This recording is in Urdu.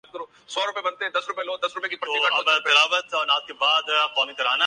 حقیقت بیان نہ کر سکے۔